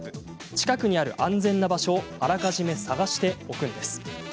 近くにある安全な場所をあらかじめ探しておくのです。